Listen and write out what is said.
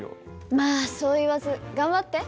まあそう言わず頑張って。